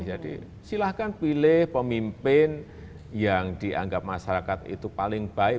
jadi silakan pilih pemimpin yang dianggap masyarakat itu paling baik